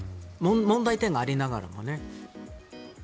問題点がありながらもね。